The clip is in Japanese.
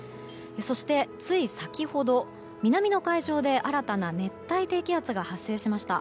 そして、つい先ほど南の海上で新たな熱帯低気圧が発生しました。